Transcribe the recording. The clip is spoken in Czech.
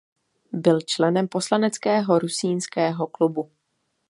Byl členem poslaneckého Rusínského klubu.